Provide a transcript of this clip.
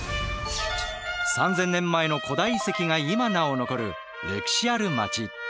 ３，０００年前の古代遺跡が今なお残る歴史ある街。